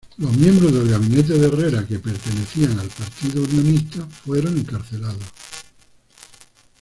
Los miembros del gabinete de Herrera pertenecían al Partido Unionista fueron encarcelados.